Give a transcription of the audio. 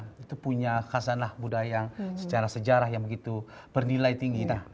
tapi kita punya khazanah budaya yang secara sejarah yang begitu bernilai tinggi